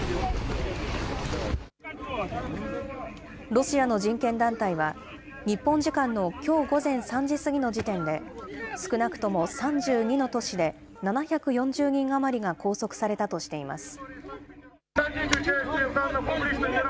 ロシアの人権団体は、日本時間のきょう午前３時過ぎの時点で、少なくとも３２の都市で７４０人余りが拘束されたとしています。